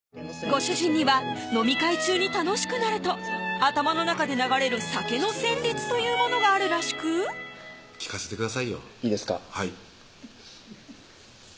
ご主人には飲み会中に楽しくなると頭の中で流れる酒の旋律というものがあるらしく聴かせてくださいよいいですか？